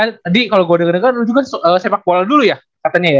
aldi kalau gue dengerin kan lu juga sepak bola dulu ya katanya ya